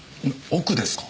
億ですか！？